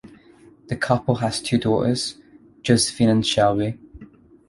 The couple has two daughters, Josephine and Shelby.